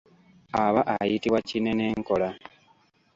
Aba ayitibwa kinenenkola.